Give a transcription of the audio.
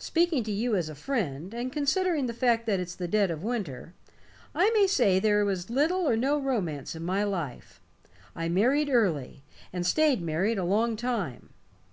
Speaking to you as a friend, and considering the fact that it's the dead of winter, I may say there was little or no romance in my life. I married early, and stayed married a long time.